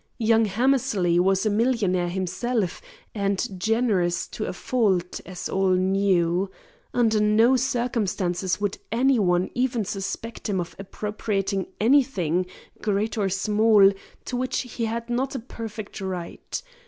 Young Hammersley was a millionaire himself, and generous to a fault, as all knew. Under no circumstances would any one even suspect him of appropriating anything, great or small, to which he had not a perfect right.